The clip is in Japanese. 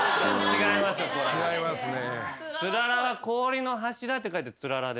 違いますね。